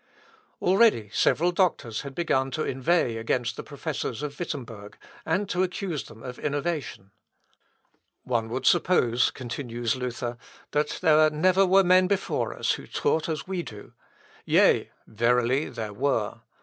Already several doctors had begun to inveigh against the Professors of Wittemberg, and to accuse them of innovation. "One would suppose," continues Luther, "that there never were men before us who taught as we do; yea, verily, there were.